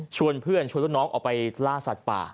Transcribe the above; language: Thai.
เพื่อนชวนลูกน้องออกไปล่าสัตว์ป่า